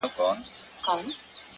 د انسان ځواک په صبر کې پټ دی.